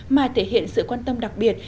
mà thể hiện sự quan tâm đặc biệt